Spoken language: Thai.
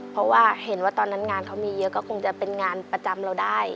เพราะว่าเห็นว่าตอนนั้นงานเขามีเยอะก็คงจะเป็นงานประจำเราได้